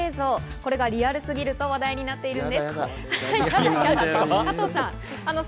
これがリアルすぎると話題になっているんです。